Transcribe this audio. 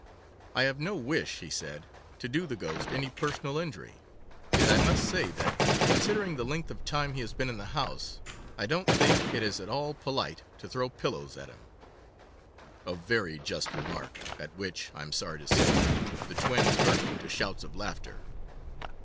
'I have no wish,' he said, 'to do the ghost any personal injury, and I must say that, considering the length of time he has been in the house, I don't think it is at all polite to throw pillows at him'—a very just remark, at which, I am sorry to say, the twins burst into shouts of laughter.